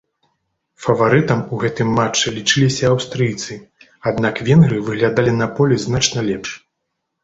Фаварытам у гэтым матчы лічыліся аўстрыйцы, аднак венгры выглядалі на полі значна лепш.